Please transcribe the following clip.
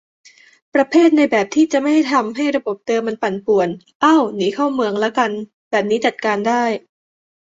ประเภทในแบบที่จะไม่ทำให้ระบบเดิมมันปั่นป่วน เอ้า หนีเข้าเมือง ละกัน แบบนี้จัดการได้